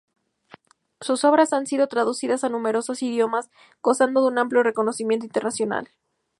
Sus obras han sido traducidas a numerosos idiomas, gozando de un amplio reconocimiento internacional.